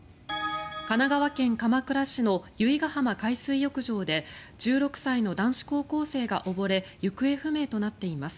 神奈川県鎌倉市の由比ガ浜海水浴場で１６歳の男子高校生が溺れ行方不明となっています。